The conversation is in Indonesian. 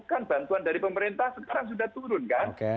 kan bantuan dari pemerintah sekarang sudah turun kan